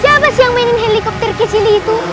siapa sih yang mainin helikopter kecil itu